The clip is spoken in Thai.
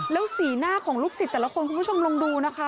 แล้วสีหน้าของลูกศิษย์แต่ละคนคุณผู้ชมลองดูนะคะ